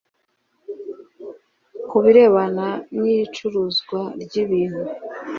ku birebana n icuruzwa ry ibintu